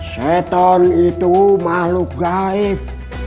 setan itu mahluk gaib